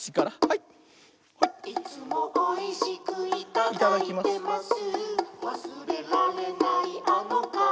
「いつもおいしくいただいてます」「わすれられないあのかおり」